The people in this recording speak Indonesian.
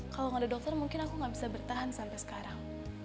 kalau nggak ada dokter mungkin aku nggak bisa bertahan sampai sekarang